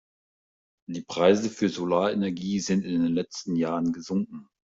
Die Preise für Solarenergie sind in den letzten Jahren gesunken.